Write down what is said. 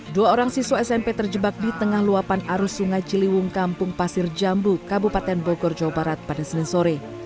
dua orang siswa smp terjebak di tengah luapan arus sungai ciliwung kampung pasir jambu kabupaten bogor jawa barat pada senin sore